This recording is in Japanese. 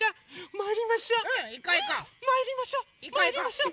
まいりましょ！